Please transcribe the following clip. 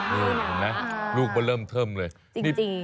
เห็นมั้ยลูกมันเริ่มเพิ่มเลยจริง